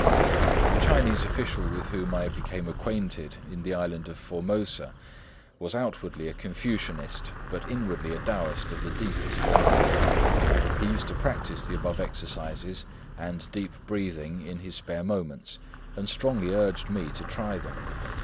A Chinese official with whom I became acquainted in the island of Formosa was outwardly a Confucianist, but inwardly a Taoist of the deepest dye. He used to practise the above exercises and deep breathing in his spare moments, and strongly urged me to try them.